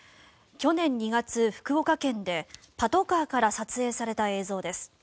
去年２月、福岡県でパトカーから撮影された映像です。